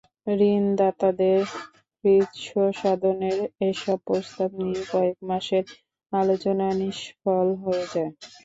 ঋণদাতাদের কৃচ্ছ্রসাধনের এসব প্রস্তাব নিয়ে কয়েক মাসের আলোচনা নিষ্ফল হয়ে যায়।